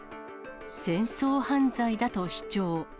戦争犯罪だと主張。